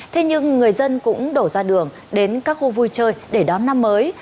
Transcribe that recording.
thế nhưng người dân cũng đổ ra đường đến các khu vui chơi để đón năm mới